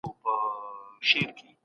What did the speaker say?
افغان سرتېري د الله اکبر شور وکړ.